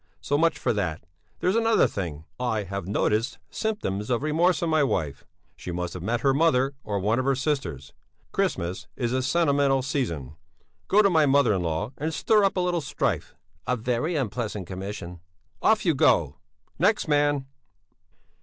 So much for that! There's another thing! I have noticed symptoms of remorse in my wife. She must have met her mother, or one of her sisters. Christmas is a sentimental season. Go to my mother in law and stir up a little strife!" "A very unpleasant commission!" "Off you go! Next man...."